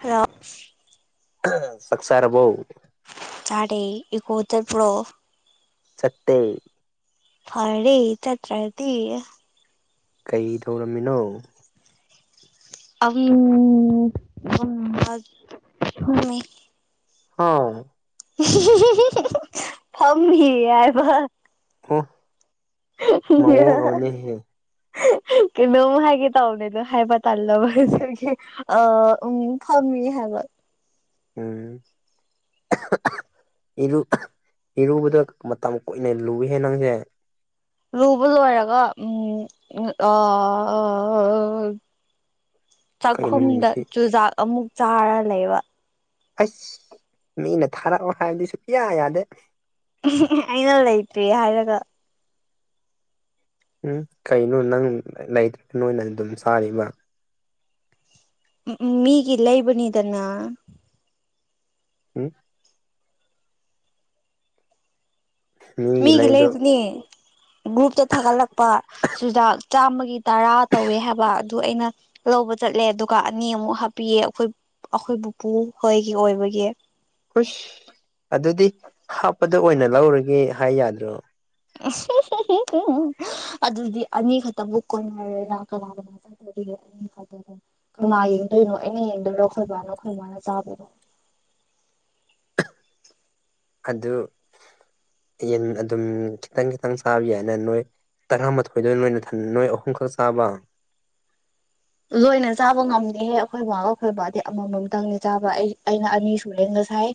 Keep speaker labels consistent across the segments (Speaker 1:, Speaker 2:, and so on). Speaker 1: Hello
Speaker 2: ꯆꯥꯛ ꯆꯥꯔꯕꯣ
Speaker 1: ꯆꯥꯇꯦ ꯏ ꯀꯨꯞꯠꯇ ꯏ꯭ꯔꯣ
Speaker 2: ꯆꯠꯇꯦ
Speaker 1: ꯐꯔꯦ ꯆꯠꯇ꯭ꯔ ꯍꯥꯏꯗꯤ
Speaker 2: ꯀꯩ ꯇꯧꯔꯝꯃꯤꯅꯣ
Speaker 1: ꯑꯝꯝ
Speaker 2: ꯍꯥꯎ
Speaker 1: ꯐꯝꯅꯤ ꯌꯥꯕ
Speaker 2: [unintelligible] ꯃꯑꯣꯡ
Speaker 1: [unintelligible]
Speaker 2: ꯑꯃꯅꯦꯍꯦ
Speaker 1: ꯀꯩꯅꯣꯝ ꯍꯥꯏꯒꯦ ꯇꯧꯕꯅꯦꯅꯣ ꯍꯥꯏꯕ ꯇꯜꯂꯕ ꯑ ꯎ ꯐꯝꯔꯤ ꯍꯒ
Speaker 2: ꯎꯝ ꯏꯔꯨ ꯏꯔꯨꯕꯗ ꯃꯇꯝ ꯀꯨꯏꯅ ꯂꯨꯏꯍꯦ ꯅꯪꯁꯦ
Speaker 1: ꯔꯨꯕꯁꯨꯔꯒ ꯎꯝ ꯑ
Speaker 2: ꯀꯩꯅꯣ
Speaker 1: ꯆꯥꯛꯈꯨꯝꯗ
Speaker 2: ꯅꯨꯃꯤꯠꯁꯤ
Speaker 1: ꯆꯨꯖꯥꯛ ꯑꯃꯨꯛ ꯆꯥꯔ ꯂꯩꯕ
Speaker 2: ꯑꯁ ꯃꯤꯅ ꯊꯥꯔꯛꯑꯣ ꯍꯥꯏꯕꯗꯤ ꯁꯨꯡꯌꯥ ꯌꯥꯗꯦ
Speaker 1: ꯑꯩꯅ ꯂꯩꯇ꯭ꯔꯦ ꯍꯥꯏꯔꯒ
Speaker 2: ꯎꯝ ꯀꯩꯅꯣ ꯅꯪ ꯂꯩꯇ꯭ꯔꯒ ꯅꯣꯏꯅ ꯑꯗꯨꯝ ꯆꯥꯔꯤꯕ
Speaker 1: ꯎꯝ ꯃꯤꯒꯤ ꯂꯩꯕꯅꯤꯗꯅ
Speaker 2: ꯎꯝ
Speaker 1: ꯃꯤꯒꯤ ꯂꯩꯕꯅꯦ ꯒ꯭ꯔꯨꯞꯇ ꯊꯥꯒꯠꯂꯛꯄ ꯆꯨꯖꯥꯛ ꯆꯥꯝꯃꯒꯤ ꯇꯔꯥ ꯇꯧꯋꯦ ꯍꯥꯏꯕ ꯑꯗꯨ ꯑꯩꯅ ꯂꯧꯕ ꯆꯠꯂꯦ ꯑꯗꯨꯒ ꯑꯅꯤꯃꯨꯛ ꯍꯥꯞꯄꯤꯌꯦ ꯑꯩꯈꯣꯏ ꯑꯩꯈꯣꯏ ꯄꯨꯕꯨꯄꯨ ꯍꯣꯏꯒꯤ ꯑꯣꯏꯕꯒꯤ
Speaker 2: ꯍꯁ ꯑꯗꯨꯗꯤ ꯍꯥꯞꯄꯗ ꯑꯣꯏꯅ ꯂꯧꯔꯒꯦ ꯍꯥꯏ ꯌꯥꯗ꯭ꯔꯣ
Speaker 1: ꯑꯗꯨꯗꯤ ꯑꯅꯤ ꯈꯛꯇ ꯕꯨꯛ ꯀꯣꯟꯅꯔꯦꯅꯥ ꯀꯅꯥ ꯀꯅꯥ ꯌꯦꯡꯗꯣꯏꯅꯣ ꯑꯩꯅ ꯌꯦꯡꯗꯣꯏꯔꯣ ꯑꯩꯈꯣꯏ ꯕꯥꯅ ꯑꯩꯈꯣꯏꯕꯥꯅ ꯆꯥꯕꯔꯣ
Speaker 2: ꯑꯗꯨ ꯌꯦꯟ ꯑꯗꯨꯝ ꯈꯤꯇꯪ ꯈꯤꯇꯪ ꯆꯥꯕ ꯌꯥꯏꯅ ꯅꯣꯏ ꯇꯔꯥꯃꯥꯊꯣꯏꯗ ꯅꯣꯏꯅ ꯊ ꯅꯣꯏ ꯑꯍꯨꯝꯈꯛ ꯆꯥꯕ
Speaker 1: ꯂꯣꯏꯅ ꯆꯥꯕ ꯉꯝꯗꯦꯍꯦ ꯑꯩꯈꯣꯏ ꯕꯥꯒ ꯑꯩꯈꯣꯏ ꯕꯥꯗꯤ ꯑꯃꯃꯝꯇꯪꯅꯦ ꯆꯥꯕ ꯑꯩ ꯑꯩꯅ ꯑꯅꯤ ꯁꯨꯔꯦ ꯍꯥꯏꯥꯏ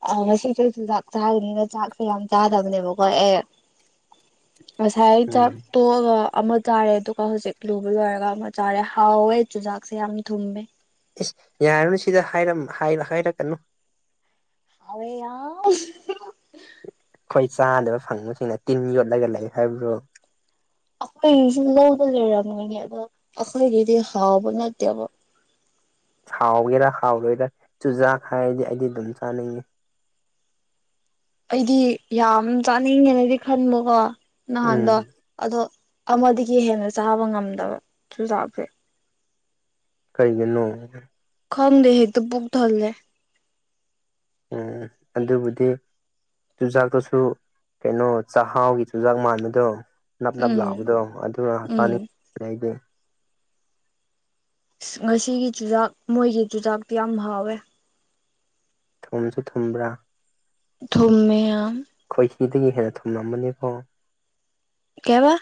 Speaker 1: ꯑ ꯉꯁꯤꯁꯨ ꯆꯨꯖꯥꯛ ꯆꯥꯕꯅꯤꯅ ꯆꯥꯛꯁꯦ ꯌꯥꯝ ꯆꯥꯗꯕꯅꯦꯕꯀꯣ ꯑꯦ ꯉꯁꯥꯏ ꯆꯥꯛ
Speaker 2: ꯎꯝ
Speaker 1: ꯇꯣꯛꯑꯒ ꯑꯃ ꯆꯥꯔꯦ ꯑꯗꯨꯒ ꯍꯧꯖꯤꯛ ꯂꯨꯕ ꯂꯣꯏꯔꯒ ꯑꯃ ꯆꯥꯔꯦ ꯍꯥꯎꯋꯦ ꯆꯨꯖꯥꯛꯁꯦ ꯌꯥꯝ ꯊꯨꯝꯃꯦ
Speaker 2: ꯑꯦꯁ ꯌꯥꯔꯅꯨ ꯁꯤꯗ ꯍꯥꯏꯔꯛꯀꯅꯨ
Speaker 1: ꯑ ꯌꯥ
Speaker 2: ꯑꯩꯈꯣꯏ ꯆꯥꯗꯕ ꯐꯪꯕꯁꯤꯡꯅ ꯇꯤꯟ ꯌꯣꯠꯂꯒ ꯂꯩ ꯍꯥꯏꯕ꯭ꯔꯣ
Speaker 1: ꯑꯩꯈꯣꯏꯒꯤꯁꯨ ꯂꯧꯅ ꯂꯩꯔꯝꯒꯅꯤ ꯑꯗꯣ ꯑꯩꯈꯣꯏꯒꯤꯗꯤ ꯍꯥꯎꯕ ꯅꯠꯇꯦꯕ
Speaker 2: ꯍꯥꯎꯒꯦꯔꯥ ꯍꯥꯎꯔꯣꯏꯗꯔꯥ ꯆꯨꯖꯥꯛ ꯍꯥꯏꯔꯗꯤ ꯑꯩꯗꯤ ꯑꯗꯨꯝ ꯆꯥꯅꯤꯡꯏꯤ
Speaker 1: ꯑꯩꯗꯤ ꯌꯥꯝ ꯆꯥꯅꯤꯡꯉꯦꯅꯗꯤ ꯈꯟꯕꯀꯣ ꯅꯍꯥꯟꯗꯣ
Speaker 2: ꯎꯝ
Speaker 1: ꯑꯗꯣ ꯑꯃꯗꯒꯤ ꯍꯦꯟꯅ ꯆꯥꯕ ꯉꯝꯗꯕ ꯆꯨꯖꯥꯛꯁꯦ
Speaker 2: ꯀꯩꯒꯤꯅꯣ
Speaker 1: ꯈꯝꯗꯦ ꯍꯦꯛꯇꯣ ꯄꯨꯕꯨꯛ ꯊꯔꯅꯦ
Speaker 2: ꯑꯗꯨꯕꯨꯗꯤ ꯆꯨꯖꯥꯛꯇꯨꯁꯨ ꯀꯩꯅꯣ ꯆꯥꯛꯍꯥꯎꯒꯤ ꯆꯨꯖꯥꯛ ꯃꯥꯟꯕꯗꯣ ꯅꯞ ꯅꯞ
Speaker 1: ꯎꯝ
Speaker 2: ꯂꯥꯛꯕꯗꯣ
Speaker 1: ꯎꯝ
Speaker 2: ꯑꯗꯨꯅꯁꯥꯅꯤꯡ ꯑꯩꯗꯤ
Speaker 1: ꯉꯁꯤꯒꯤ ꯆꯨꯖꯥꯛ ꯃꯣꯏꯒꯤ ꯆꯨꯖꯥꯛꯇꯤ ꯌꯥꯝ ꯍꯥꯎꯋꯦ
Speaker 2: ꯊꯣꯡꯁꯨ ꯊꯨꯝꯕ꯭ꯔꯥ
Speaker 1: ꯊꯨꯝꯃꯦꯌꯥꯝꯝ
Speaker 2: ꯑꯩꯈꯣꯏ ꯍꯤꯗꯒꯤ ꯍꯦꯟꯅ ꯊꯨꯝꯂꯝꯝꯕꯅꯤꯀꯣ
Speaker 1: ꯀꯦꯕ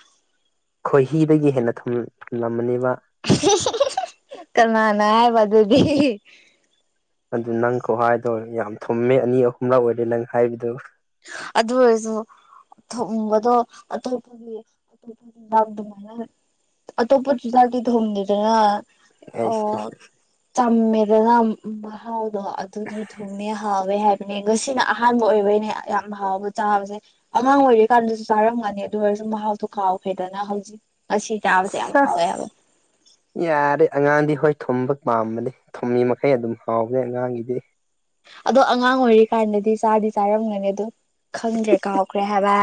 Speaker 2: ꯈꯣꯏꯍꯤꯗꯒꯤ ꯍꯦꯟꯅ ꯊꯨꯝꯂꯝꯃꯅꯤ ꯃꯥ
Speaker 1: ꯍꯦ ꯍꯦ ꯀꯅꯥꯅ ꯍꯥꯢꯕ ꯑꯗꯨꯗꯤ
Speaker 2: ꯑꯗꯨ ꯅꯪ ꯈꯨꯍꯥꯏꯗꯣ ꯌꯥꯝ ꯊꯨꯝꯃꯦ ꯑꯅꯤ ꯑꯍꯨꯝꯂꯛ ꯑꯣꯏꯔꯦ ꯅꯪ ꯍꯥꯏꯕꯗꯨ
Speaker 1: ꯑꯗꯨ ꯑꯣꯢꯔꯁꯨ ꯊꯝꯕꯗꯣ ꯑꯇꯣꯞꯄꯒꯤ ꯑꯇꯣꯞ ꯑꯗꯨꯃꯥꯏꯅ ꯑꯇꯣꯞꯄ ꯁꯨꯖꯥꯛꯗꯤ ꯊꯨꯝꯃꯤꯗꯅ [inaudible] ꯑꯣ
Speaker 2: ꯑꯩꯁ
Speaker 1: ꯆꯝꯃꯦꯗꯅ ꯆꯥꯛꯍꯥꯎꯗꯣ ꯑꯗꯨꯗꯤ ꯊꯨꯝꯃꯦ ꯍꯥꯎꯋꯦ ꯍꯥꯏꯕꯅꯦ ꯉꯁꯤꯅ ꯑꯍꯥꯟꯕ ꯑꯣꯏꯕꯩꯅꯦ ꯌꯥꯝ ꯍꯥꯎꯕ ꯆꯥꯕꯁꯦ ꯑꯉꯥꯡ ꯑꯣꯏꯔꯤ ꯀꯥꯟꯗꯁꯨ ꯆꯥꯔꯝꯒꯅꯤ ꯑꯗꯨ ꯑꯣꯏꯔꯁꯨ ꯃꯍꯥꯎꯗꯣ ꯀꯥꯎꯈ꯭ꯔꯦꯗꯅ ꯍꯧꯖꯤꯛ ꯑꯁꯤ ꯆꯥꯕꯖꯦ ꯌꯥꯝ
Speaker 2: ꯁꯁ
Speaker 1: ꯍꯥꯎꯋꯦ ꯍꯥꯏꯕ
Speaker 2: ꯌꯥꯔꯦ ꯑꯉꯥꯡꯗꯤ ꯍꯣꯏ ꯊꯨꯝꯕ ꯄꯥꯝꯕꯅꯦ ꯊꯨꯝꯃꯤ ꯃꯈꯩ ꯑꯗꯨꯝ ꯍꯥꯎꯕꯅꯦ ꯑꯉꯥꯡꯒꯤꯗꯤ
Speaker 1: ꯑꯗꯣ ꯑꯉꯥꯡ ꯑꯣꯏꯔꯤ ꯀꯥꯟꯗꯗꯤ ꯆꯥꯗꯤ ꯆꯥꯔꯝꯒꯅꯤ ꯑꯗꯣ ꯈꯪꯗ꯭ꯔꯦ ꯀꯥꯎꯈ꯭ꯔꯦ ꯍꯥꯏꯕ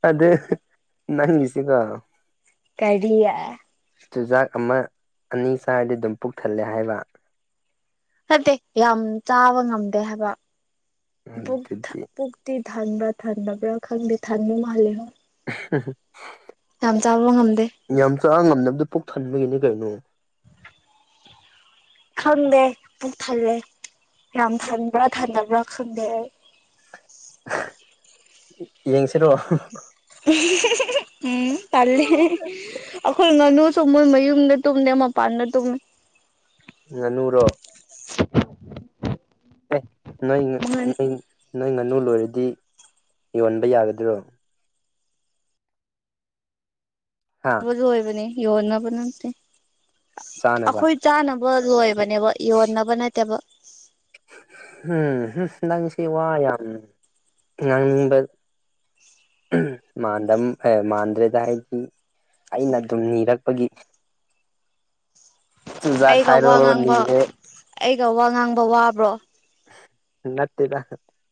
Speaker 2: ꯑꯗ ꯅꯪꯒꯤꯁꯦꯀꯣ
Speaker 1: ꯀꯔꯤꯌꯥ
Speaker 2: ꯆꯨꯖꯥꯛ ꯑꯃ ꯑꯅꯤ ꯆꯥꯔꯗꯤ ꯑꯗꯨꯝ ꯄꯨꯛ ꯊꯜꯂꯦ ꯍꯥꯏꯕ
Speaker 1: ꯅꯠꯇꯦ ꯌꯥꯝ ꯆꯥꯕ ꯉꯝꯗꯦ ꯍꯥꯏꯕ ꯄꯨꯛ ꯊ
Speaker 2: ꯑꯗꯨꯗꯤ
Speaker 1: ꯄꯨꯛ ꯄꯨꯛꯇꯤ ꯊꯟꯕ꯭ꯔꯥ ꯊꯟꯗꯕ꯭ꯔꯥ ꯈꯪꯗꯦ ꯊꯟꯕ ꯃꯥꯜꯂꯦ ꯍꯣ
Speaker 2: ꯎꯝ ꯍ [inaudible]
Speaker 1: ꯌꯥꯝ ꯆꯥꯕ ꯉꯝꯗꯦ
Speaker 2: ꯌꯥꯝ ꯆꯥ ꯉꯝꯗꯕꯗꯣ ꯄꯨꯛ ꯊꯟꯕꯩꯅꯦ ꯀꯩꯅꯣ
Speaker 1: ꯈꯪꯗꯦ ꯄꯨꯛ ꯊꯜꯂꯦ ꯌꯥꯝ ꯊꯟꯕ꯭ꯔꯥ ꯊꯟꯗꯕ꯭ꯔꯥ ꯈꯪꯗꯦ ꯑꯩ
Speaker 2: ꯌꯦꯡꯁꯤꯔꯣ
Speaker 1: ꯎꯝ ꯇꯜꯂꯦ ꯑꯩꯈꯣꯏ ꯉꯥꯅꯨꯁꯨ ꯃꯣꯏ ꯃꯌꯨꯝꯗ ꯇꯨꯝꯗꯦ ꯃꯄꯥꯟꯗ ꯇꯨꯝꯃꯦ
Speaker 2: ꯉꯥꯅꯨꯔꯣ ꯑꯦ ꯅꯣꯏ
Speaker 1: ꯉꯥꯅꯨ
Speaker 2: ꯅꯣꯏ ꯅꯣꯏ ꯉꯥꯅꯨ ꯂꯣꯏꯔꯗꯤ ꯌꯣꯟꯕ ꯌꯥꯒꯗ꯭ꯔꯣ ꯍꯥ
Speaker 1: ꯑꯃ ꯂꯣꯏꯕꯅꯦ ꯌꯣꯟꯅꯕ ꯅꯠꯇꯦ
Speaker 2: ꯆꯥꯅꯕ
Speaker 1: ꯑꯩꯈꯣꯏ ꯆꯥꯅꯕ ꯂꯣꯏꯕꯅꯦꯕ ꯌꯣꯟꯅꯕ ꯅꯠꯇꯦꯕ
Speaker 2: ꯎꯝ ꯅꯪꯁꯦ ꯋꯥ ꯌꯥꯝ ꯉꯥꯡꯅꯤꯡꯕ ꯃꯥꯟꯗꯝ ꯑꯦ ꯃꯥꯟꯗ꯭ꯔꯦꯗ ꯑꯩꯗꯤ ꯑꯩꯅ ꯑꯗꯨꯝ ꯅꯤꯔꯛꯄꯒꯤ ꯆꯨꯖꯥꯛ
Speaker 1: ꯑꯩꯒ ꯋꯥ
Speaker 2: ꯍꯥꯏꯔꯣ
Speaker 1: ꯉꯥꯡꯕ
Speaker 2: ꯅꯤꯔꯦ
Speaker 1: ꯑꯩꯒ ꯋꯥ ꯉꯥꯡꯕ ꯋꯥꯕ꯭ꯔꯣ
Speaker 2: ꯅꯠꯇꯦꯗ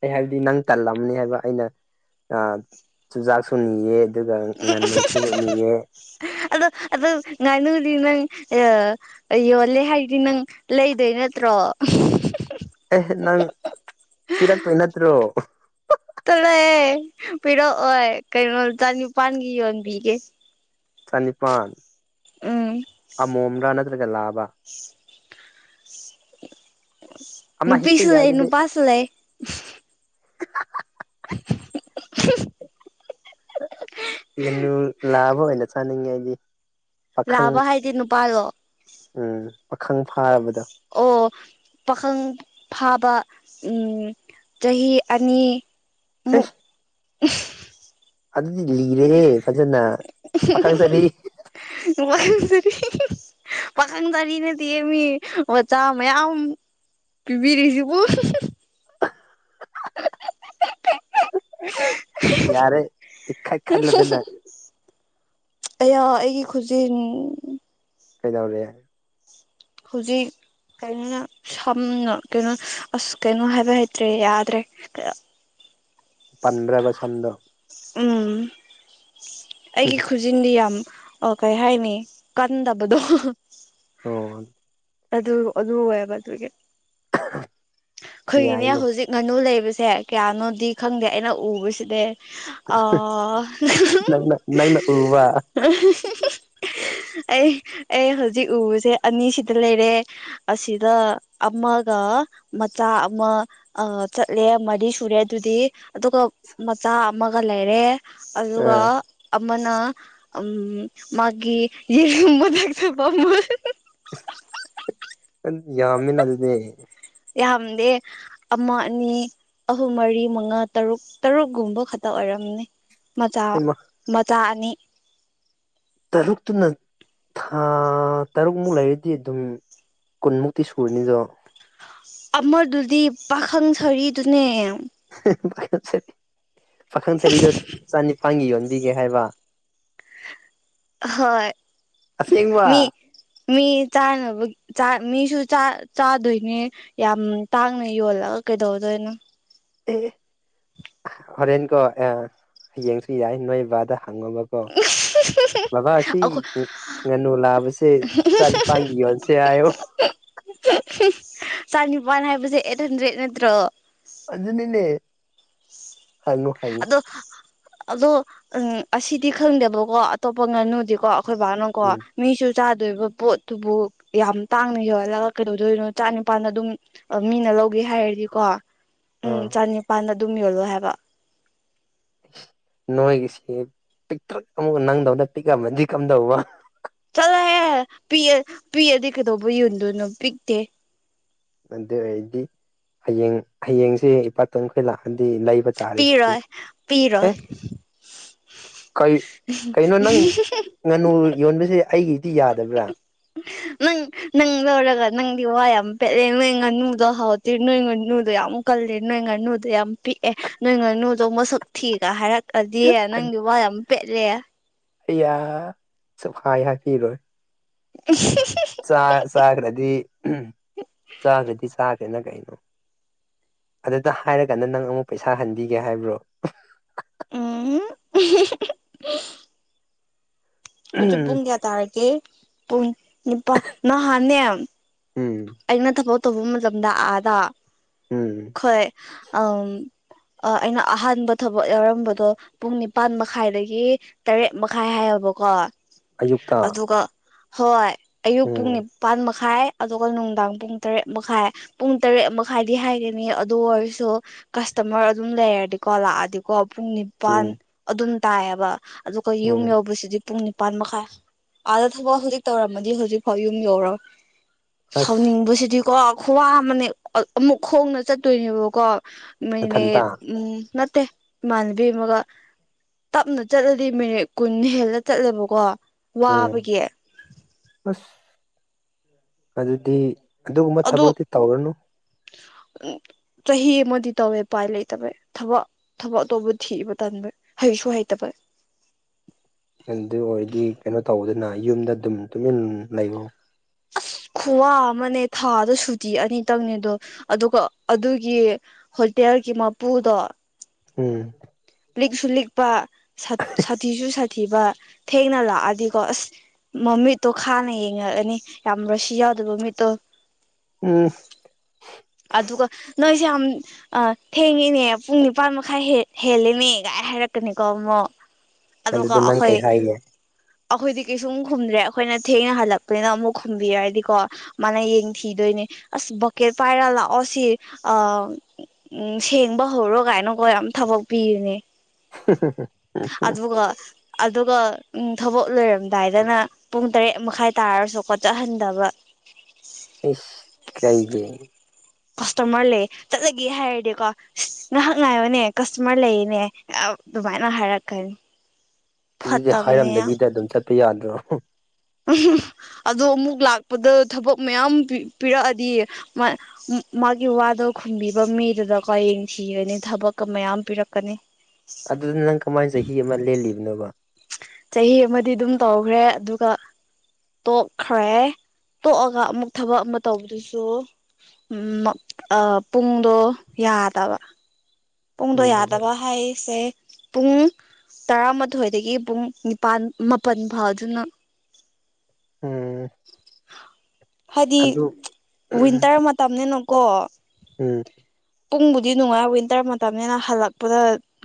Speaker 2: ꯑꯩ ꯍꯥꯏꯕꯗꯤ ꯅꯪ ꯇꯜꯂꯝꯅꯤ ꯍꯥꯏꯕ ꯑꯩꯅ ꯆꯨꯖꯥꯛꯁꯨ ꯅꯤꯑꯦ ꯑꯗꯨꯒ ꯉꯥꯅꯨꯁꯨ ꯅꯤꯑꯦ
Speaker 1: ꯑꯗꯣ ꯑꯗꯣ ꯉꯥꯏꯅꯨꯗꯤ ꯅꯪ ꯑ ꯑꯩ ꯌꯣꯜꯂꯦ ꯍꯥꯏꯗꯤ ꯅꯪ ꯂꯩꯗꯣꯏ ꯅꯠꯇ꯭ꯔꯣ
Speaker 2: ꯑꯦ ꯅꯪ ꯄꯤꯔꯛꯇꯣꯏ ꯅꯠꯇ꯭ꯔꯣ
Speaker 1: ꯆꯠꯂꯍꯦ ꯄꯤꯔꯛꯑꯣꯏ ꯀꯩꯅꯣ ꯆꯅꯤꯄꯥꯥꯟꯒꯤ ꯌꯣꯟꯕꯤꯒꯦ
Speaker 2: ꯆꯅꯤꯄꯥꯟ
Speaker 1: ꯎꯝ
Speaker 2: ꯑꯃꯣꯝꯂꯥ ꯅꯠꯇ꯭ꯔꯒ ꯂꯥꯕ ꯑꯃ ꯍꯦꯛꯇ
Speaker 1: ꯅꯨꯄꯤꯁꯨ
Speaker 2: ꯌꯥꯏ
Speaker 1: ꯂꯩ ꯅꯨꯄꯥꯁꯨ ꯂꯩ
Speaker 2: ꯍꯥ ꯍꯥ
Speaker 1: ꯏꯍꯛ [inaudible]
Speaker 2: ꯉꯥꯅꯨ ꯂꯥꯕ ꯑꯣꯢꯅ ꯆꯥꯅꯤꯡꯉꯦ ꯑꯩꯗꯤ ꯄꯥꯈꯪ
Speaker 1: ꯂꯥꯕ ꯍꯥꯏꯗꯤ ꯅꯨꯄꯥꯔꯣ
Speaker 2: ꯎꯝ ꯄꯥꯈꯪ ꯐꯥꯔꯕꯗꯣ
Speaker 1: ꯑꯣ ꯄꯥꯈꯪ ꯐꯥꯕ ꯆꯍꯤ ꯑꯅꯤ ꯃꯨꯛ
Speaker 2: ꯑꯦꯁ ꯑꯗꯨꯗꯤ ꯂꯤꯔꯦꯍꯦ ꯐꯖꯅ ꯄꯥꯈꯪ ꯁꯥꯔꯤ
Speaker 1: [unintelligible] ꯄꯥꯈꯪ ꯁꯥꯔꯤ ꯅꯠꯇꯤꯌꯦ ꯃꯤ ꯑꯣꯖꯥ ꯃꯌꯥꯝ ꯄꯤꯕꯤꯔꯤꯁꯤꯕꯨ
Speaker 2: ꯌꯥꯔꯦ ꯏꯈꯠꯈꯠꯂꯗꯅ
Speaker 1: ꯑꯌꯥ ꯑꯩꯒꯤ ꯈꯨꯖꯤꯟ
Speaker 2: ꯀꯩꯗꯧꯔꯦ
Speaker 1: ꯍꯧꯖꯤꯛ ꯀꯩꯅꯣꯅ- ꯁꯝꯅ ꯀꯩꯅꯣ ꯑꯁ ꯀꯩꯅꯣ ꯍꯥꯏꯕ ꯍꯩꯇ꯭ꯔꯦ ꯌꯥꯗ꯭ꯔꯦ ꯑꯌꯥ
Speaker 2: ꯄꯟꯗ꯭ꯔꯕ ꯁꯝꯗꯣ
Speaker 1: ꯎꯝ ꯑꯩꯒꯤ ꯈꯨꯖꯤ ꯈꯨꯖꯤꯟꯖꯤ ꯌꯥꯝ ꯑꯥ ꯀꯩ ꯍꯥꯏꯅꯤ ꯀꯟꯗꯕꯗꯣ
Speaker 2: [unintelligible]
Speaker 1: ꯑꯗꯨ- ꯑꯗꯨ ꯑꯣꯏꯌꯦꯕ ꯑꯗꯨꯒꯤ
Speaker 2: [unintelligible]
Speaker 1: ꯑꯩꯈꯣꯏꯒꯤꯅꯦ
Speaker 2: ꯌꯥꯏꯅꯦ
Speaker 1: ꯍꯧꯖꯤꯛ ꯉꯥꯅꯨ ꯂꯩꯕꯁꯦ ꯀꯌꯥꯅꯣꯗꯤ ꯈꯪꯗꯦ ꯑꯩꯅ ꯎꯕꯁꯤꯗꯤ ꯑꯥ
Speaker 2: ꯅꯪꯅ ꯅꯪꯅ ꯎꯕ
Speaker 1: [unintelligible] ꯑꯩ- ꯑꯩ ꯍꯧꯖꯤꯛ ꯎꯕꯁꯦ ꯑꯅꯤꯁꯤꯗ ꯂꯩꯔꯦ ꯑꯁꯤꯗ ꯑꯃꯥꯒ ꯃꯆꯥ ꯑꯃꯥ ꯑꯥ ꯆꯠꯂꯦ ꯃꯔꯤ ꯁꯨꯔꯦ ꯑꯗꯨꯗꯤ ꯑꯗꯨꯒ ꯃꯆꯥ ꯑꯃꯒ ꯂꯩꯔꯦ ꯑꯗꯨꯒ
Speaker 2: ꯑ
Speaker 1: ꯑꯃꯅꯥ ꯎꯝ ꯃꯥꯒꯤ ꯌꯦꯔꯨꯝ ꯑꯣꯜꯂꯛꯇꯣꯏꯕ ꯑꯃꯥ [unintelligible]
Speaker 2: [unintelligible] ꯌꯥꯝꯃꯤꯅ ꯑꯗꯨꯅꯦ
Speaker 1: ꯌꯥꯝꯗꯦ ꯑꯃ ꯑꯅꯤ ꯑꯍꯨꯝ ꯃꯔꯤ ꯃꯉꯥ ꯇꯔꯨꯛ- ꯇꯔꯨꯛꯒꯨꯝꯕ ꯈꯛꯇ ꯑꯣꯏꯔꯝꯅꯤ ꯃꯆꯥ
Speaker 2: ꯍꯩꯃ
Speaker 1: - ꯃꯆꯥ ꯑꯅꯤ
Speaker 2: ꯇꯔꯨꯛꯇꯨꯅ ꯊꯥ ꯇꯔꯨꯛꯃꯨꯛ ꯂꯩꯔꯗꯤ ꯑꯗꯨꯝ ꯀꯨꯟꯃꯨꯛꯇꯤ ꯁꯨꯅꯤꯗꯣ
Speaker 1: ꯑꯃꯗꯨꯗꯤ ꯄꯥꯈꯪ ꯁꯔꯤꯗꯨꯅꯦ
Speaker 2: ꯍꯥ ꯍꯥ ꯄꯥꯈꯪ ꯁꯔꯤ - ꯄꯥꯈꯪ ꯁꯔꯤꯗꯣ ꯆꯅꯤꯄꯥꯥꯟꯒꯤ ꯌꯣꯟꯕꯤꯒꯦ ꯍꯥꯏꯕ
Speaker 1: ꯍꯣꯏ ꯃꯤ
Speaker 2: ꯑꯁꯦꯡꯕ
Speaker 1: ꯃꯤ ꯆꯥꯅꯕ-ꯆꯥ ꯃꯤꯁꯨ ꯆꯥ - ꯆꯥꯗꯣꯏꯅꯦ ꯌꯥꯝ ꯇꯥꯡꯅ ꯌꯣꯜꯂꯒ ꯀꯩꯗꯧꯗꯣꯏꯅꯣ
Speaker 2: ꯑꯦ ꯍꯣꯔꯦꯟꯀꯣ ꯑꯦ ꯍꯌꯦꯡꯁꯨ ꯌꯥꯏ ꯅꯣꯏ ꯕꯥꯗ ꯍꯪꯑꯣꯕ ꯀꯣ ꯕꯥꯕꯥ ꯁꯤ
Speaker 1: ꯑꯩꯈꯣꯏ
Speaker 2: ꯉꯥꯅꯨ ꯂꯥꯕꯥꯁꯦ ꯆꯅꯤꯄꯥꯟꯒꯤ ꯌꯣꯟꯁꯦ ꯍꯥꯏꯌꯣ
Speaker 1: ꯆꯅꯤꯄꯥꯥꯟ ꯍꯥꯏꯕꯁꯦ ꯑꯦꯠ ꯍꯟꯗ꯭ꯔꯦꯠ ꯅꯠꯇ꯭ꯔꯣ
Speaker 2: ꯑꯗꯨꯅꯤꯅꯦ ꯍꯪꯉꯣ ꯍꯪ
Speaker 1: ꯑꯗꯣ ꯑꯗꯣ ꯎꯝ ꯑꯁꯤꯗꯤ ꯈꯪꯗꯦꯕꯀꯣ ꯑꯇꯣꯞꯄ ꯉꯥꯅꯨꯗꯤꯀꯣ ꯑꯩꯈꯣꯏ ꯕꯥꯅ ꯀꯣ
Speaker 2: ꯎꯝ
Speaker 1: ꯃꯤꯁꯨ ꯆꯥꯗꯣꯏꯕ ꯄꯣꯠꯇꯨꯕꯨ ꯌꯥꯝ ꯇꯥꯡꯅ ꯌꯣꯍꯜꯂꯒ ꯀꯩꯗꯧꯗꯣꯏꯅꯣ ꯆꯥ ꯅꯤꯄꯥꯜꯗ ꯑꯗꯨꯝ ꯑꯥ ꯃꯤꯅ ꯂꯧꯒꯦ ꯍꯥꯏꯔꯗꯤꯀꯣ ꯎꯝ
Speaker 2: ꯑꯥ
Speaker 1: ꯆꯅꯤꯄꯥꯥꯟꯗ ꯑꯗꯨꯝ ꯌꯣꯜꯂꯣ ꯍꯥꯏꯕ
Speaker 2: ꯅꯣꯏꯒꯤꯁꯤ ꯄꯤꯇꯔꯨꯛ ꯑꯃꯨꯛ ꯅꯪꯗꯧꯅ ꯄꯤꯛꯑꯝꯃꯗꯤ ꯀꯝꯗꯧꯕ
Speaker 1: ꯆꯠꯂꯣꯍꯦ ꯄꯤꯑ-ꯄꯤꯛꯑꯗꯤ ꯀꯩꯗꯧꯕꯩ ꯌꯣꯟꯗꯣꯏꯅꯣ ꯄꯤꯛꯇꯦ
Speaker 2: ꯑꯗꯨ ꯑꯣꯏꯔꯗꯤ ꯍꯌꯦꯡ-ꯍꯌꯦꯡꯁꯦ ꯏꯄꯥꯇꯣꯟꯈꯣꯏ ꯂꯥꯛꯑꯗꯤ ꯂꯩ ꯕꯇꯥꯔꯦ ꯑꯗꯨꯗꯤ
Speaker 1: ꯄꯤꯔꯣꯏ
Speaker 2: ꯑꯦ
Speaker 1: ꯄꯤꯔꯣꯏ
Speaker 2: ꯀꯩ ꯀꯩꯅꯣ ꯅꯪ ꯉꯥꯅꯨ ꯌꯣꯟꯕꯁꯦ ꯑꯩꯒꯤꯗꯤ ꯌꯥꯗꯕ꯭ꯔꯥ
Speaker 1: [unintelligible] ꯅꯪ ꯅꯪ ꯂꯧꯔꯒ ꯅꯪꯗꯤ ꯋꯥ ꯌꯥꯝ ꯄꯦꯠꯂꯦ ꯅꯣꯏ ꯉꯥꯅꯨꯗꯣ ꯍꯥꯎꯇ꯭ꯔꯦ ꯅꯣꯏ ꯉꯥꯅꯨꯗꯣ ꯌꯥꯝ ꯀꯜꯂꯤ ꯅꯣꯏ ꯉꯥꯅꯨꯗꯣ ꯌꯥꯝ ꯄꯤꯛꯑꯦ ꯅꯣꯏ ꯉꯥꯅꯨꯗꯣ ꯃꯁꯛ ꯊꯤꯒ ꯍꯥꯏꯔꯛ ꯑꯗꯤ ꯅꯪꯒꯤ ꯋꯥ ꯌꯥꯝ ꯄꯦꯠꯂꯦ
Speaker 2: ꯑꯌꯥ ꯁꯨꯡꯍꯥꯏ ꯍꯥꯕꯤꯔꯣꯏ
Speaker 1: [unintelligible]
Speaker 2: ꯆꯥ ꯆꯥꯈ꯭ꯔꯗꯤ ꯆꯥꯈ꯭ꯔꯗꯤ ꯆꯥꯈ꯭ꯔꯦꯅ ꯀꯩꯅꯣ ꯑꯗꯨꯗ ꯍꯥꯏꯔꯀꯥꯟꯗ ꯅꯪ ꯑꯃꯨꯛ ꯄꯩꯁꯥ ꯍꯟꯕꯤꯒꯦ ꯍꯥꯏꯕ꯭ꯔꯣ
Speaker 1: ꯎꯝ [unintelligible] ꯍꯧꯖꯤꯛ ꯄꯨꯡ ꯀꯌꯥ ꯇꯥꯔꯒꯦ ꯄꯨꯡ ꯅꯤꯄꯥꯟ ꯅꯍꯥꯟꯅꯦ
Speaker 2: ꯎꯝ
Speaker 1: ꯑꯩꯅ ꯊꯕꯛ ꯇꯧꯕ ꯃꯇꯝꯗ ꯑꯥꯗ
Speaker 2: ꯎꯝ
Speaker 1: ꯈꯣꯏ ꯑꯥꯝ ꯑꯥ ꯑꯩꯅ ꯑꯍꯥꯟꯕ ꯊꯕꯛ ꯌꯥꯎꯔꯝꯕꯗꯣ ꯄꯨꯡ ꯅꯤꯄꯥꯥꯟ ꯃꯈꯥꯏꯗꯒꯤ ꯇꯔꯦꯠ ꯃꯈꯥꯏ ꯍꯥꯏꯌꯣꯕꯀꯣ
Speaker 2: ꯑꯌꯨꯛꯇ
Speaker 1: ꯑꯗꯨꯒ ꯍꯣꯏ ꯑꯌꯨꯛ ꯄꯨꯡ
Speaker 2: ꯎꯝ
Speaker 1: ꯅꯤꯄꯜ ꯃꯈꯥꯏ ꯑꯗꯨꯒ ꯅꯨꯡꯗꯥꯡ ꯄꯨꯡ ꯇꯔꯦꯠ ꯃꯈꯥꯏ ꯄꯨꯡ ꯇꯔꯦꯠ ꯃꯈꯥꯏꯗꯤ ꯍꯥꯏꯒꯅꯤ ꯑꯗꯨ ꯑꯣꯏꯔꯁꯨ ꯀꯁꯇꯃꯔ ꯑꯗꯨꯝ ꯂꯩꯔꯗꯤꯀꯣ ꯂꯥꯛꯑꯗꯤꯀꯣ ꯄꯨꯡ ꯅꯤ ꯄꯥꯟ
Speaker 2: ꯎꯝ
Speaker 1: ꯑꯗꯨꯝ ꯇꯥꯏꯑꯦꯕ ꯑꯗꯨꯒ ꯌꯨꯝ
Speaker 2: ꯎꯝ
Speaker 1: ꯌꯧꯕꯁꯤꯗꯤ ꯄꯨꯡ ꯅꯤꯄꯥꯟ ꯃꯈꯥꯏ ꯑꯥꯗ ꯊꯕꯛ ꯍꯧꯖꯤꯛ ꯇꯧꯔꯝꯃꯗꯤ ꯍꯧꯖꯤꯛꯐꯥꯎ ꯌꯨꯝ ꯌꯧꯔꯣ
Speaker 2: ꯑꯁ
Speaker 1: ꯁꯥꯎꯅꯤꯡꯕꯁꯤꯗꯤꯀꯣ ꯈꯨꯋꯥ ꯑꯃꯅꯦ ꯑꯃꯨꯛ ꯈꯣꯡꯅ ꯆꯠꯇꯣꯏꯅꯦꯕꯀꯣ
Speaker 2: ꯃꯊꯟꯇ
Speaker 1: ꯃꯤꯅꯤꯠ ꯎꯝ ꯅꯠꯇꯦ ꯏꯃꯥꯟꯅꯕꯤ ꯑꯃꯒ ꯇꯞꯅ ꯆꯠꯂꯗꯤ ꯃꯤꯅꯤꯠ ꯀꯨꯟ ꯍꯦꯜꯂꯥ ꯆꯠꯂꯦꯕꯀꯣ
Speaker 2: ꯎꯝ
Speaker 1: ꯋꯥꯕꯒꯤ
Speaker 2: ꯑꯁ ꯑꯗꯨꯗꯤ ꯑꯗꯨꯒꯨꯝꯕ
Speaker 1: ꯑꯗꯨ
Speaker 2: ꯊꯕꯛꯇꯤ ꯇꯧꯔꯅꯨ
Speaker 1: ꯆꯍꯤ ꯑꯃꯗꯤ ꯇꯧꯋꯦ ꯎꯄꯥꯏ ꯂꯩꯇꯕꯩ ꯊꯕꯛ ꯊꯕꯛ ꯑꯇꯣꯞ ꯊꯤꯕ ꯇꯟꯕꯩ ꯍꯩꯁꯨ ꯍꯩꯇꯕ
Speaker 2: ꯑꯗꯨ ꯑꯣꯏꯔꯗꯤ ꯀꯩꯅꯣ ꯇꯧꯕꯗꯅ ꯌꯨꯝꯗ ꯑꯗꯨꯝ ꯇꯨꯃꯤꯟ ꯂꯩꯌꯣ
Speaker 1: ꯑꯁ ꯈꯨꯋꯥ ꯑꯃꯅꯦ ꯊꯥꯗꯥ ꯁꯨꯇꯤ ꯑꯅꯤꯇꯪꯅꯦꯗꯣ ꯑꯗꯨꯒ ꯑꯗꯨꯒꯤ ꯍꯣꯇꯦꯜꯒꯤ ꯃꯄꯨꯗꯣ
Speaker 2: ꯎꯝ
Speaker 1: ꯂꯤꯛꯁꯨ ꯂꯤꯛꯄ ꯁꯥꯊꯤꯁꯨ ꯁꯥꯊꯤꯕ ꯊꯦꯡꯅ ꯂꯥꯛꯑꯗꯤꯀꯣ ꯑꯁ ꯃꯥꯃꯤꯠꯇꯣ ꯈꯥꯅ ꯌꯦꯡꯉꯛꯑꯅꯤ ꯌꯥꯝ ꯔꯥꯁꯤ ꯌꯥꯎꯗꯕ ꯃꯤꯠꯇꯣ
Speaker 2: ꯎꯝ
Speaker 1: ꯑꯗꯨꯒ ꯅꯣꯏꯁꯦ ꯌꯥꯝ ꯑꯥ ꯊꯦꯡꯉꯤꯅꯦ ꯄꯨꯡ ꯅꯤꯄꯥꯥꯟ ꯃꯈꯥꯏ ꯍꯦ ꯍꯦꯂꯦꯅꯦ ꯒꯥꯏ ꯍꯥꯏꯔꯛꯀꯅꯤꯀꯣ ꯑꯃꯨꯛ ꯑꯗꯨꯒ
Speaker 2: ꯑꯗꯨꯗ ꯅꯪ
Speaker 1: ꯑꯈꯣꯏ
Speaker 2: ꯀꯩ ꯍꯥꯏꯒꯦ
Speaker 1: ꯑꯩꯈꯣꯏꯗꯤ ꯀꯩꯁꯨꯝ ꯈꯨꯝꯗ꯭ꯔꯦ ꯑꯩꯈꯣꯏꯅ ꯊꯦꯡꯅ ꯍꯜꯂꯛꯄꯅꯤꯅ ꯑꯃꯨꯛ ꯈꯨꯝꯕꯤꯔꯗꯤꯀꯣ ꯃꯥꯅ ꯌꯦꯡ ꯊꯤꯗꯣꯏꯅꯦ ꯑꯁ ꯕꯛꯀꯦꯠ ꯄꯥꯏꯔ ꯂꯥꯛꯑꯣ ꯁꯤ ꯑ ꯎꯝ ꯁꯦꯡꯕ ꯍꯧꯔꯣ ꯀꯥꯏꯅꯀꯣ ꯌꯥꯝ ꯊꯕꯛ ꯄꯤꯔꯤꯅꯦ ꯑꯗꯨꯒ ꯑꯗꯨꯒ ꯊꯕꯛ ꯂꯣꯏꯔꯝꯗꯥꯏꯗꯅ ꯄꯨꯡ ꯇꯔꯦꯠ ꯃꯈꯥꯏ ꯇꯥꯔꯁꯨ ꯈꯣꯠꯆꯍꯟꯗꯕ
Speaker 2: ꯏꯁ ꯀꯩꯒꯤ꯫
Speaker 1: ꯀꯁꯇꯃꯔ ꯂꯩ ꯆꯥꯠꯂꯒꯦ ꯍꯥꯏꯔꯗꯤꯀꯣ ꯉꯥꯏꯍꯥꯛ ꯉꯥꯏꯎꯅꯦ ꯀꯁꯇꯃꯔ ꯂꯩꯅꯦ ꯑꯗꯨꯃꯥꯏꯅ ꯍꯥꯏꯔꯛꯀꯅꯤ
Speaker 2: ꯑꯗꯨꯗꯤ
Speaker 1: ꯐꯠꯇꯕꯅꯦ ꯌꯥꯝ
Speaker 2: ꯍꯥꯏꯔꯝꯗꯕꯤꯗ ꯑꯗꯨꯝ ꯆꯠꯄ ꯌꯥꯗ꯭ꯔꯣ꯫
Speaker 1: ꯑꯗꯣ ꯑꯃꯨꯛ ꯂꯥꯛꯄꯗ ꯊꯕꯛ ꯃꯌꯥꯝ ꯄꯤꯔꯛꯑꯗꯤ꯫ ꯃꯥꯒꯤ ꯋꯥꯗꯣ ꯈꯨꯝꯕꯤꯕ ꯃꯤꯗꯨꯗꯀꯣ ꯌꯦꯡꯊꯤꯒꯅꯤ ꯊꯕꯛꯀ ꯃꯌꯥꯝ ꯄꯤꯔꯛꯀꯅꯤ꯫ [unintelligible]
Speaker 2: ꯑꯗꯨꯅ ꯅꯪ ꯀꯃꯥꯏꯅ ꯆꯍꯤ ꯑꯃ ꯂꯦꯜꯂꯤꯕꯅꯣꯕ꯫
Speaker 1: ꯆꯍꯤ ꯑꯃꯗꯤ ꯑꯗꯨꯝ ꯇꯧꯈ꯭ꯔꯦ ꯑꯗꯨꯒ ꯇꯣꯛꯈ꯭ꯔꯦ ꯇꯣꯛꯑꯒ ꯑꯃꯨꯛ ꯊꯕꯛ ꯑꯃ ꯇꯧꯕꯗꯨꯁꯨ꯫ ꯎꯝ ꯄꯨꯡꯗꯣ ꯌꯥꯗꯕ ꯄꯨꯡꯗꯣ
Speaker 2: ꯎꯝ
Speaker 1: ꯌꯥꯗꯕ ꯍꯥꯏꯁꯦ ꯄꯨꯡ ꯇꯔꯥꯃꯥꯊꯣꯏꯗꯒꯤ ꯄꯨꯡ ꯅꯤꯄꯥꯜ ꯃꯥꯄꯜ ꯐꯥꯎꯗꯨꯅ
Speaker 2: ꯎꯝ
Speaker 1: [unintelligible] ꯍꯥꯏꯗꯤ
Speaker 2: ꯑꯗꯨ ꯎꯝ
Speaker 1: ꯋꯤꯟꯇꯔ ꯃꯇꯝꯅꯤꯅꯀꯣ
Speaker 2: ꯎꯝ
Speaker 1: ꯄꯨꯡꯕꯨꯗꯤ ꯅꯨꯡꯉꯥꯏ ꯋꯤꯟꯇꯔ ꯃꯇꯝꯅꯤꯅ ꯍꯜꯂꯛꯄꯗ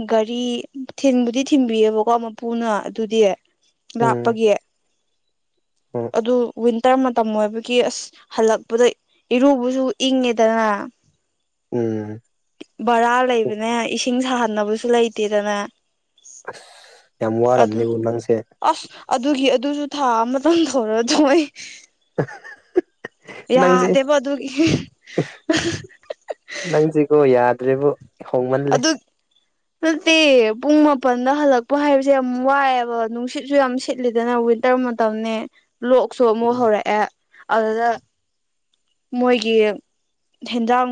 Speaker 1: ꯒꯥꯔꯤ ꯊꯤꯟꯕꯨꯗꯤ ꯊꯤꯟꯕꯤꯌꯦꯕꯀꯣ ꯃꯄꯨꯅ ꯑꯗꯨꯗꯤ
Speaker 2: ꯎꯝ ꯎꯝ
Speaker 1: ꯂꯥꯞꯄꯒꯤ꯫ ꯑꯗꯨ ꯋꯤꯟꯇꯔ ꯃꯇꯝ ꯑꯣꯏꯕꯒꯤ ꯑꯁ ꯍꯜꯂꯛꯄꯗ ꯏꯔꯨꯕꯁꯨ ꯏꯪꯉꯦꯗꯅ꯫
Speaker 2: ꯎꯝ
Speaker 1: ꯚꯔꯥ ꯂꯩꯕꯅꯦ ꯏꯁꯤꯡ ꯁꯥꯍꯟꯅꯕꯁꯨ ꯂꯩꯇꯦꯗꯅꯦ꯫
Speaker 2: ꯑꯁ ꯌꯥꯝ ꯋꯥꯔꯝꯅꯦꯕꯨ ꯅꯪꯁꯦ꯫
Speaker 1: ꯑꯁ ꯑꯗꯨꯒꯤ ꯑꯗꯨꯁꯨ ꯊꯥ ꯑꯃꯇꯪꯊꯣꯔꯛ ꯇꯣꯛꯑꯦ꯫
Speaker 2: [unintelligible] ꯅꯪꯁꯦ
Speaker 1: ꯌꯥꯗꯦꯕꯑꯗꯨꯨꯒꯤ ꯑꯍꯥ
Speaker 2: ꯅꯪꯁꯤꯒꯣ ꯌꯥꯗ꯭ꯔꯦꯕꯨ ꯍꯣꯡꯃꯜꯂꯦ
Speaker 1: ꯑꯗꯨ ꯑꯇꯨꯗꯤ ꯄꯨꯡ ꯃꯥꯄꯜꯗ ꯍꯜꯂꯛꯄ ꯍꯥꯏꯕꯁꯦ ꯌꯥꯝ ꯋꯥꯏꯑꯦꯕ ꯅꯨꯡꯁꯤꯠꯁꯨ ꯌꯥꯝ ꯁꯤꯠꯂꯤꯗ ꯋꯥꯏꯟ ꯇꯔ ꯃꯇꯝꯅꯦ ꯂꯣꯛꯁꯨ ꯑꯃꯨꯛ ꯍꯧꯔꯛꯑꯦ꯫ ꯑꯗꯨꯗ ꯃꯣꯏꯒꯤ ꯍꯦꯟꯖꯥꯡ